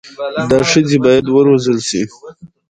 دا ښځي بايد و روزل سي